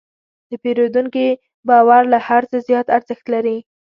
د پیرودونکي باور له هر څه زیات ارزښت لري.